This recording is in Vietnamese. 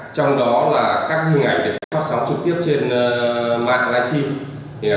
trong đó là các hình ảnh được phát sóng trực tiếp trên mạng live stream